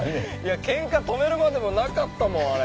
ケンカ止めるまでもなかったもんあれ。